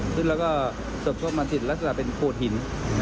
ซึ่งเราก็สบทบมาจิตรักษาเป็นโคตรหิน